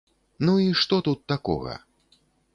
Ну і што тут такога?